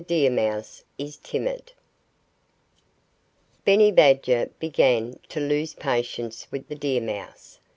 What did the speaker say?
DEER MOUSE IS TIMID Benny Badger began to lose patience with the deer mouse.